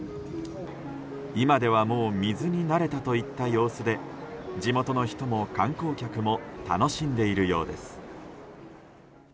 今ではもう水に慣れたといった様子で地元の人も観光客も楽しんでいるようです。